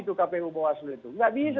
itu kpu bawaslu itu nggak bisa